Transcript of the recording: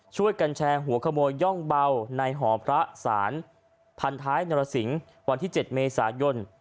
ช่วยกันแชร์หัวขโมยย่องเบาในหอพระศาลพันท้ายนรสิงศ์วันที่๗เมษายน